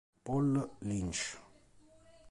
Paul Lynch